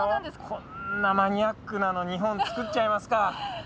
こんなマニアックなの２本作っちゃいますか。